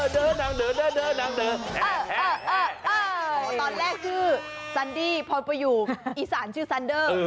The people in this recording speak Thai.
ชื่อซันดี้พรปยุอีสานชื่อซันเดอร์